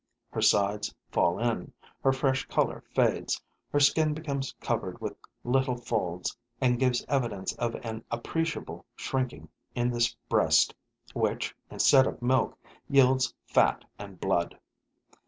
Her sides fall in, her fresh color fades, her skin becomes covered with little folds and gives evidence of an appreciable shrinking in this breast which, instead of milk, yields fat and blood.